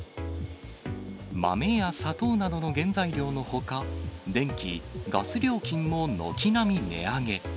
豆や砂糖などの原材料のほか、電気、ガス料金も軒並み値上げ。